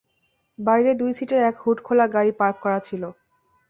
বাইরে দুই সিটের এক হুডখোলা গাড়ি পার্ক করা ছিল।